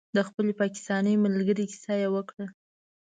د خپلې پاکستانۍ ملګرې کیسه یې وکړه.